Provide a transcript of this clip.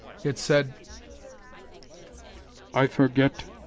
It said. "I forget.